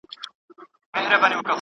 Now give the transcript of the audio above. چې ورځ کې يو ساعت ور نه شمه جدي شي وايي